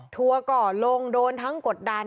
ถูอก่อนลงโดนทั้งกดดัน